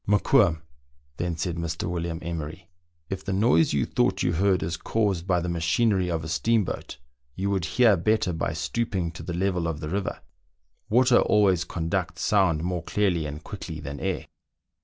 " Mokoum," then said Mr. William Emery, " if the noise you thought you heard is caused by the machinery of a steamboat, you would hear better by stooping to the level of the river; water always conducts sound more clearly and quickly than air."